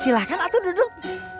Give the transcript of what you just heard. silakan atu duduk